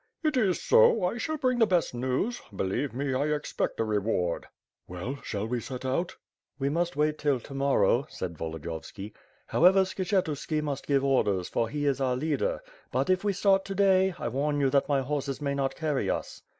"It is so, I shall bring the best news. Believe me, I ex pect a reward." "Well, shall we set out?" "We must wait till to morrow," said Volodiyovski, "How ever, Skshetuski must give orders, for he is our leader, but, if we start to day, I warn you that my horses may not carry us."